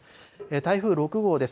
台風６号です。